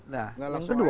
nah yang kedua